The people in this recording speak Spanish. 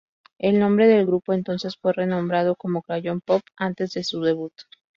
El nombre del grupo entonces fue renombrado como "Crayon Pop" antes de su debut.